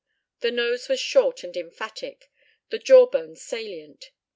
The nose was short and emphatic, the jawbone salient.